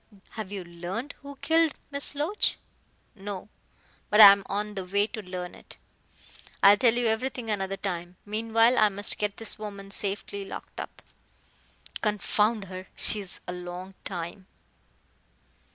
"Have you learned who killed Miss Loach?" "No. But I am on the way to learn it. I'll tell you everything another time. Meanwhile, I must get this woman safely locked up. Confound her, she is a long time."